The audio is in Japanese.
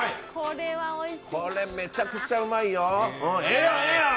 これめちゃくちゃうまいよ。